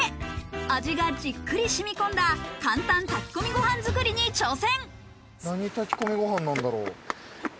味がじっくり染み込んだ、簡単炊き込みご飯作りに挑戦！